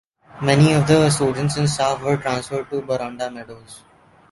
Many of the students and staff were transferred to Boronda Meadows.